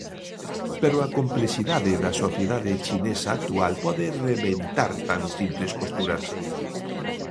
Pero a complexidade da sociedade chinesa actual pode rebentar tan simples costuras.